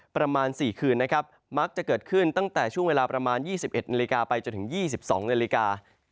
ประมาณ๔คืนนะครับมักจะเกิดขึ้นตั้งแต่ช่วงเวลาประมาณ๒๑นาฬิกาไปจนถึง๒๒นาฬิกา